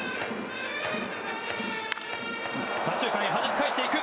左中間へはじき返していく。